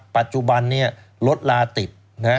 ปัจจุบันนี้รถลาติด